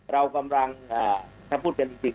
เรากำลังถ้าพูดกันจริง